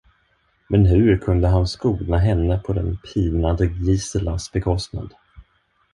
Men hur kunde han skona henne på den pinade Giselas bekostnad?